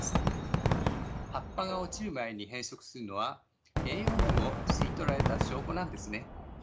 葉っぱが落ちる前に変色するのは栄養分を吸い取られた証拠なんですね。